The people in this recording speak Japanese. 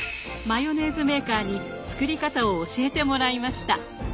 マヨネーズメーカーに作り方を教えてもらいました。